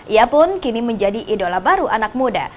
ia pun kini menjadi idola baru anak muda